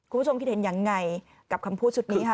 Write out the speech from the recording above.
คุณผู้ชมคิดเห็นยังไงกับคำพูดชุดนี้ค่ะ